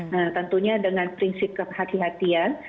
nah tentunya dengan prinsip kehatian